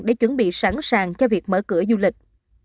để chuẩn bị sẵn sàng cho việc mở cửa du lịch